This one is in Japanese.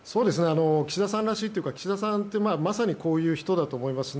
岸田さんらしいっていうか、岸田さんってまさにこういう人だと思います。